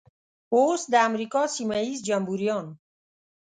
اوس د امریکا سیمه ییز جمبوریان.